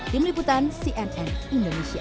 tim liputan cnn indonesia